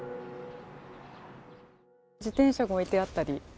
自転車が置いてあったり。